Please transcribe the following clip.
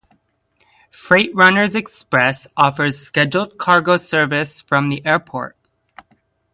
Freight Runners Express offers scheduled cargo service from the airport.